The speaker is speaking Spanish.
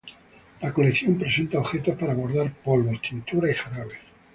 La colección presenta objetos para guardar polvos, tinturas y jarabes.